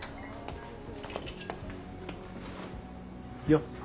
よっ。